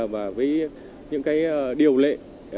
và với những cái điều lệ